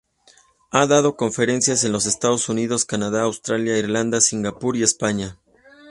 Ha dado conferencias en los Estados Unidos, Canadá, Australia, Irlanda, Singapur y España.